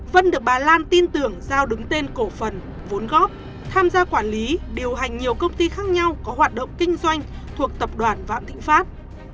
vân được bà lan tin tưởng giao đứng tên cổ phần vốn góp tham gia quản lý điều hành nhiều công ty khác nhau có hoạt động kinh doanh thuộc tập đoàn vạn thịnh pháp